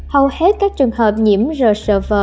hầu hết các trường hợp nhiễm rsv